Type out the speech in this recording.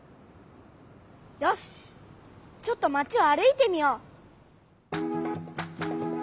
よしちょっとまちを歩いてみよう。